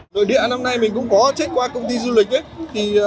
nội địa năm nay mình cũng có check qua công ty du lịch